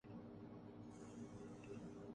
فلک نے ان کو عطا کی ہے خواجگی کہ جنھیں